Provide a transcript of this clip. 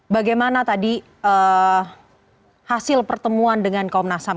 bagaimana tadi hasil pertemuan dengan komnas ham